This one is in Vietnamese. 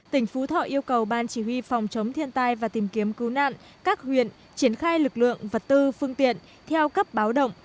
tỉnh phú thọ yêu cầu ban chỉ huy phòng chống thiên tai và tìm kiếm cứu nạn các huyện triển khai lực lượng vật tư phương tiện theo cấp báo động